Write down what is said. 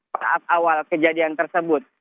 pada awal kejadian tersebut